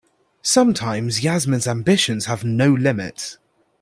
Sometimes Yasmin's ambitions have no limits.